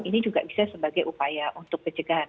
ini juga bisa sebagai upaya untuk pencegahan